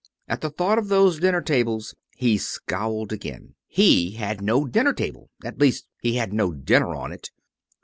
At the thought of those dinner tables, he scowled again. He had no dinner table at least, he had no dinner on it!